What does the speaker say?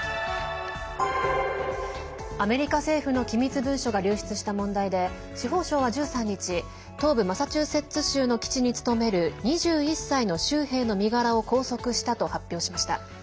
アメリカ政府の機密文書が流出した問題で司法省は１３日東部マサチューセッツ州の基地に勤める２１歳の州兵の身柄を拘束したと発表しました。